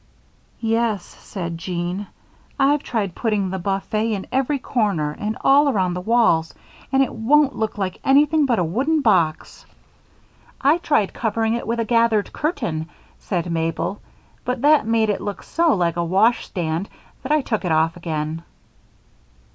"Yes," said Jean, "I've tried putting the buffet in every corner and all around the walls, and it won't look like anything but a wooden box." "I tried covering it with a gathered curtain," said Mabel, "but that made it look so like a washstand that I took it off again."